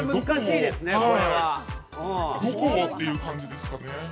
難しいですね。